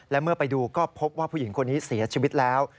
และเมื่อไปดูก็พบว่าผู้หญิงคนนี้เสียชีวิตแล้ว